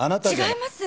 違います！